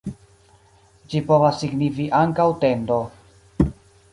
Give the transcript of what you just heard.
Ĝi povas signifi ankaŭ "tendo".